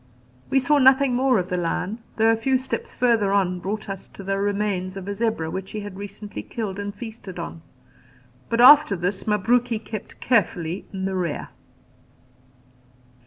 We saw nothing more of the lion, though a few steps further on brought us to the remains of a zebra which he had recently killed and feasted on; but after this Mabruki kept carefully in the rear.